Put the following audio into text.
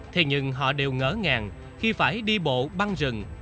thế nhưng họ đều ngỡ ngàng khi phải đi bộ băng rừng